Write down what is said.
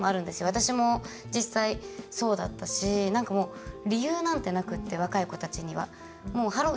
私も実際そうだったしなんかもう理由なんてなくて若い子たちには。